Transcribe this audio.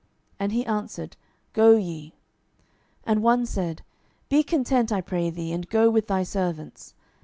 And he answered, Go ye. 12:006:003 And one said, Be content, I pray thee, and go with thy servants.